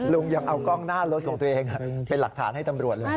ยังเอากล้องหน้ารถของตัวเองเป็นหลักฐานให้ตำรวจเลย